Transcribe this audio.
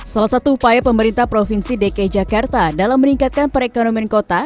salah satu upaya pemerintah provinsi dki jakarta dalam meningkatkan perekonomian kota